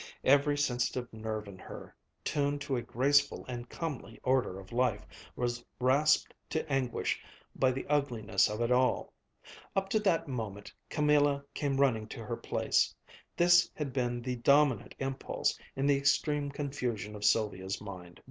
Every sensitive nerve in her, tuned to a graceful and comely order of life, was rasped to anguish by the ugliness of it all. Up to the moment Camilla came running to her place this had been the dominant impulse in the extreme confusion of Sylvia's mind.